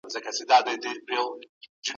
د ښوونځي کتابتون ډېر بډایه و.